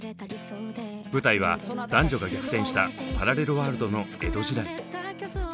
舞台は男女が逆転したパラレルワールドの江戸時代。